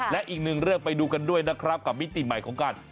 และอีกหนึ่งเรื่องไปดูกันด้วยนะครับกับมิติใหม่ของการ